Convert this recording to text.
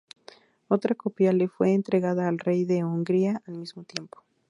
Otra copia le fue entregada al rey de Hungría al mismo tiempo.